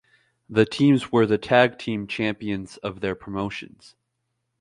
The teams were the tag team champions of their promotions.